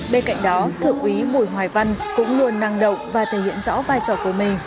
bên cạnh đó thượng úy bùi hoài văn cũng luôn năng động và thể hiện rõ vai trò của mình